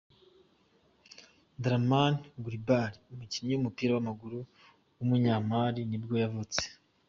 Dramane Coulibaly, umukinnyi w’umupira w’amaguru w’umunyamali nibwo yavutse.